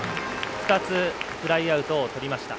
２つフライアウトをとりました。